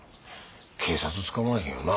警察捕まらへんよな？